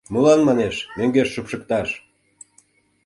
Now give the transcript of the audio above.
«Молан, манеш, мӧҥгеш шупшыкташ?